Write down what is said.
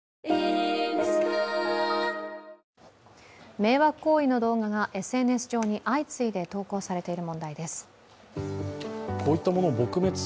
迷惑行為の動画がＳＮＳ上で相次いで投稿されている問題です。